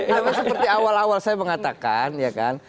memang seperti awal awal saya mengatakan ya kan